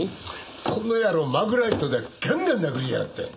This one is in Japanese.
この野郎マグライトでガンガン殴りやがって！